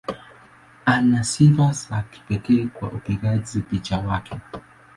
Ana sifa ya kipekee kwa upigaji picha wake.